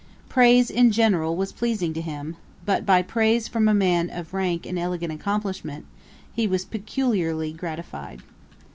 Praise, in general, was pleasing to him; but by praise from a man of rank and elegant accomplishments, he was peculiarly gratified.